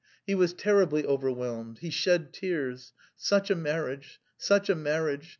He was terribly overwhelmed; he shed tears. "Such a marriage! Such a marriage!